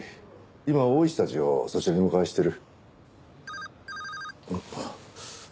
今大石たちをそちらに向かわせてる。